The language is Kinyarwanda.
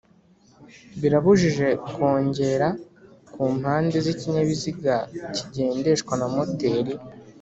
Birabujijwe kwongera ku mpande z ikinyabiziga kigendeshwa na moteri